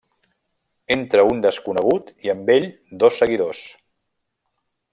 Entra un Desconegut i amb ell dos seguidors.